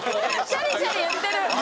シャリシャリいってる。